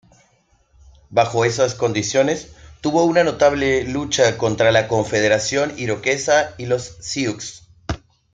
Bajo esas condiciones tuvo una notable lucha contra la Confederación Iroquesa y los Siux.